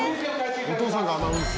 お父さんがアナウンス。